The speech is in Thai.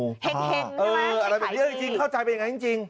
เห็นใช่ไหมอะไรแบบนี้เข้าใจเป็นอย่างไรจริง